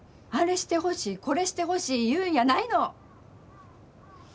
あれしてほしいこれしてほしい言うんやないの！